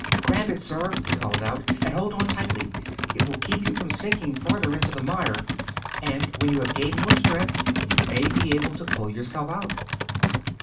"Grab it, sir!" he called out, "and hold on tightly. It will keep you from sinking farther into the mire, and when you have gained more strength you may be able to pull yourself out."